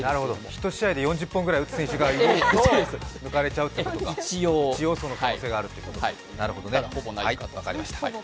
１試合で４０本ぐらい打つ選手がいると抜かれちゃうから、一応その可能性があるということですね。